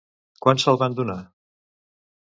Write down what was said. Quan se'l van donar?